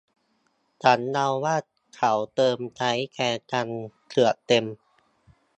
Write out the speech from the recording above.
ฉันเดาว่าเขาเติมใช้แจกันเกือบเต็ม